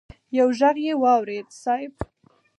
يو ږغ يې واورېد: صېب!